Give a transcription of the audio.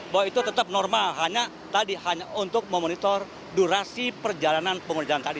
bahwa itu tetap normal hanya tadi hanya untuk memonitor durasi perjalanan pengguna jalan tadi